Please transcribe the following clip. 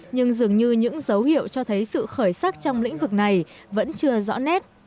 nhưng dường như những dấu hiệu cho thấy sự khởi sắc trong lĩnh vực này vẫn chưa rõ nét